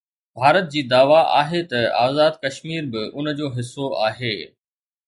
ڀارت جي دعويٰ آهي ته آزاد ڪشمير به ان جو حصو آهي.